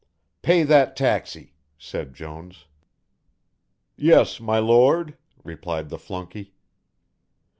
"Pay that taxi," said Jones. "Yes, my Lord," replied the flunkey.